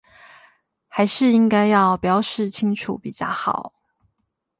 還是應該要標示清楚比較好